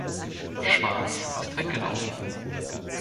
Schwartz ist weggelaufen.